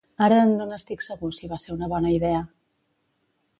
Ara, no n'estic segur si va ser una bona idea.